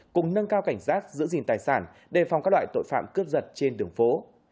cùng nâng cao cảnh giác giữ gìn tài sản đề phòng các loại tội phạm cướp giật trên đường phố